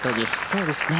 そうですね。